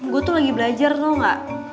gue tuh lagi belajar tuh gak